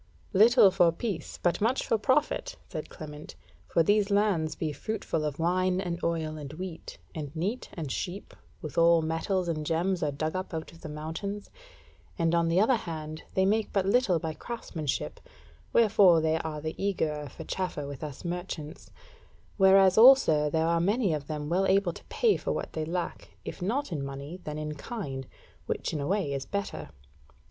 "Little for peace, but much for profit," said Clement; "for these lands be fruitful of wine and oil and wheat, and neat and sheep; withal metals and gems are dug up out of the mountains; and on the other hand, they make but little by craftsmanship, wherefore are they the eagerer for chaffer with us merchants; whereas also there are many of them well able to pay for what they lack, if not in money, then in kind, which in a way is better.